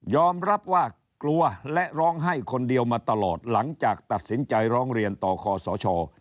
รับว่ากลัวและร้องไห้คนเดียวมาตลอดหลังจากตัดสินใจร้องเรียนต่อคอสช